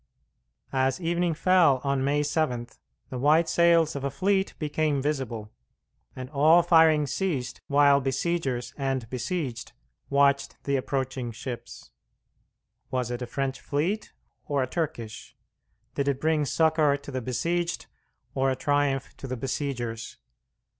As evening fell on May 7, the white sails of a fleet became visible, and all firing ceased while besiegers and besieged watched the approaching ships. Was it a French fleet or a Turkish? Did it bring succour to the besieged or a triumph to the besiegers?